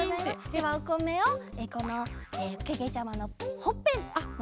ではおこめをこのけけちゃまのほっぺのところですね。